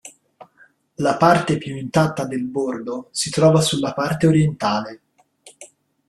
La parte più intatta del bordo si trova sulla parte orientale.